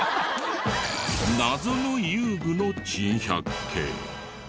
謎の遊具の珍百景。